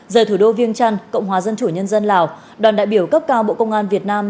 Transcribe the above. rời thủ đô viêng trăn cộng hòa dân chủ nhân dân lào đoàn đại biểu cấp cao bộ công an việt nam